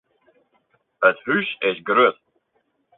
It hûs is grut.